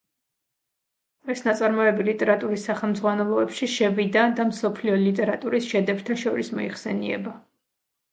ეს ნაწარმოები ლიტერატურის სახელმძღვანელოებში შევიდა და მსოფლიო ლიტერატურის შედევრთა შორის მოიხსენიება.